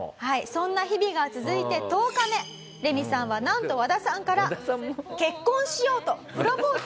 そんな日々が続いて１０日目レミさんはなんと和田さんから「結婚しよう」とプロポーズされたんです。